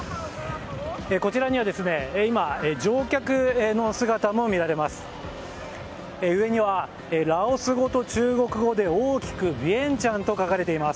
こちらには乗客の姿も見られます。